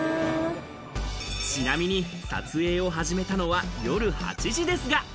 ちなみに撮影を始めたのは夜８時ですが。